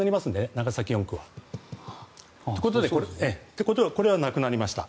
長崎４区は。ということでこれはなくなりました。